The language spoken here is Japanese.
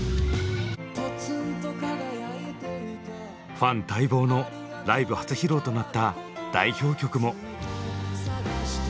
ファン待望のライブ初披露となった代表曲も。